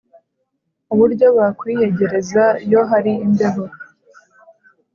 Uburyo bakwiyegereza iyo hari imbeho